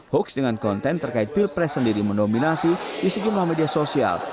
hoax dengan konten terkait pilpres sendiri mendominasi di sejumlah media sosial